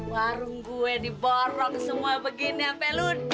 warung gue diborong semua begini sampe ludes